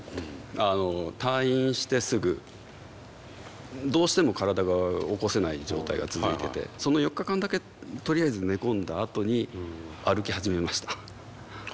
退院してすぐどうしても体が起こせない状態が続いててその４日間だけとりあえず寝込んだあとに歩き始めました。